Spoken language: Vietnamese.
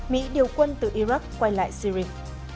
mỹ điều quân từ iraq quay lại syria